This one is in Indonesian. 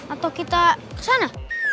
atau kita ke sana